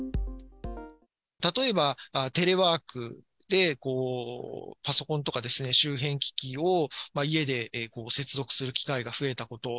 例えばテレワークで、パソコンとか周辺機器を家で接続する機会が増えたこと。